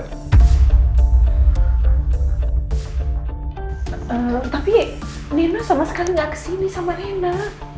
tapi nino sama sekali gak kesini sama nena